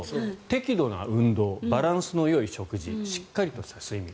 適度な運動バランスのよい食事しっかりとした睡眠。